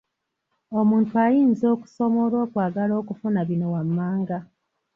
Omuntu ayinza okusoma olw'okwagala okufuna bino wammanga.